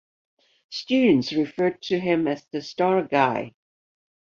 Students refer to him as "the star guy".